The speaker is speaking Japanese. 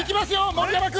盛山君。